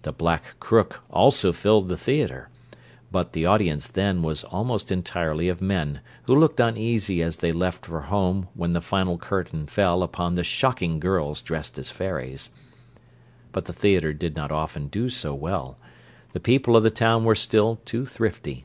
"The Black Crook" also filled the theatre, but the audience then was almost entirely of men who looked uneasy as they left for home when the final curtain fell upon the shocking girls dressed as fairies. But the theatre did not often do so well; the people of the town were still too thrifty.